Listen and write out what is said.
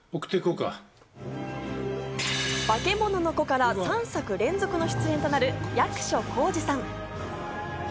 『バケモノの子』から３作連続の出演となる役所広司さん。